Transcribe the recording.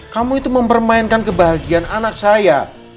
kamu itu mempermainkan kebahagiaan anak saya